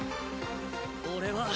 俺は！